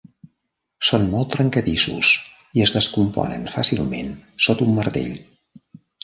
Són molt trencadissos i es descomponen fàcilment sota un martell.